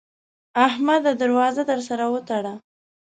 احمده! در وازه در سره وتړه.